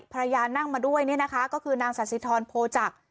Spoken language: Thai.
ภรรยานนั่งมาด้วยนี่นะคะก็คือนางสัตว์สิทธรโพจักร